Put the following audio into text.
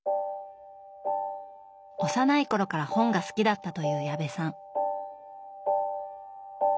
幼い頃から本が好きだったという矢部さん。